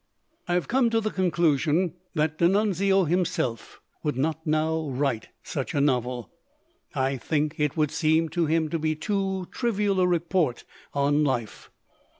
"I came to the conclusion that D'Annunzio himself would not now write such a novel. I think that it would seem to him to be too trivial a report on life.